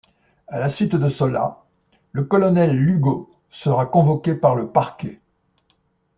À la suite de cela, le colonel Lugo sera convoqué par le parquet.